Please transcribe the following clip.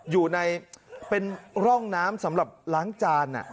อยู่ในเป็นร่องน้ำสำหรับล้างจาน